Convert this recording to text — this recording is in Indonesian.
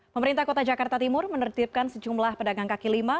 pemerintah kota jakarta timur menertibkan sejumlah pedagang kaki lima